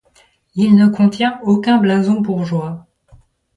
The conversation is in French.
Il ne contient aucun blason bourgeois.